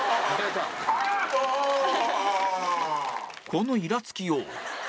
このイラつきよう